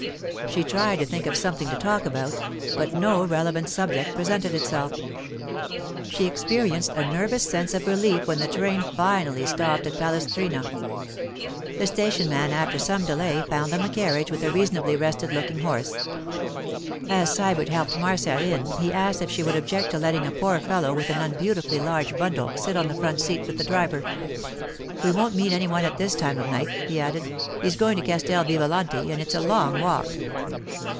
She tried to think of something to talk about, but no relevant subject presented itself. She experienced a nervous sense of relief when the train finally stopped at Palestrina. The station man, after some delay, found them a carriage with a reasonably rested looking horse. As Sybert helped Marcia in he asked if she would object to letting a poor fellow with an unbeautifully large bundle sit on the front seat with the driver. 'We won't meet any one at this time of night,' he added. 'He's going to Castel Vivalanti and it's a long walk.